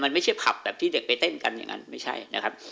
มันไม่ใช่ผับแบบที่เด็กไปเต้นกันอย่างนั้นไม่ใช่นะครับ